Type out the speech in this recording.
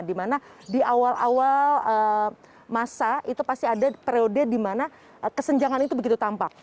dimana di awal awal masa itu pasti ada periode di mana kesenjangan itu begitu tampak